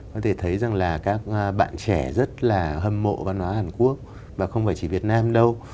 có thể thấy rằng là các bạn trẻ rất là hâm mộ văn hóa hàn quốc và không phải chỉ việt nam đâu